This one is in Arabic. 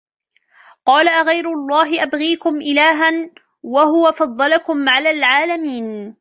قال أغير الله أبغيكم إلها وهو فضلكم على العالمين